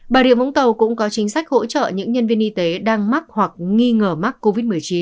bà rịa vũng tàu cũng có chính sách hỗ trợ những nhân viên y tế đang mắc hoặc nghi ngờ mắc covid một mươi chín